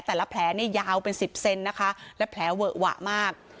แต่ละแผลเนี่ยยาวเป็นสิบเซนนะคะและแผลเวอะหวะมาก